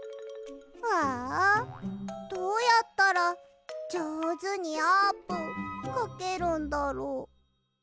ああどうやったらじょうずにあーぷんかけるんだろ。